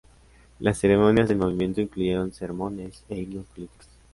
Las ceremonias del movimiento incluyeron sermones, e himnos políticos.